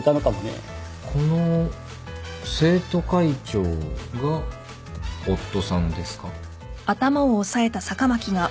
この「生徒会長」が夫さんですか？